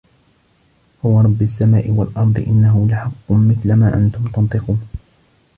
فَوَرَبِّ السَّماءِ وَالأَرضِ إِنَّهُ لَحَقٌّ مِثلَ ما أَنَّكُم تَنطِقونَ